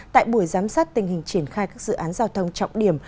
tại buổi giám sát tình hình triển khai các dự án giao thông trọng điểm